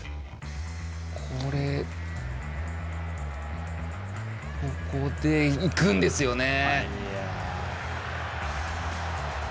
ここで、いくんですよね。